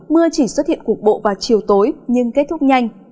mưa chỉ xuất hiện cục bộ vào chiều tối nhưng kết thúc nhanh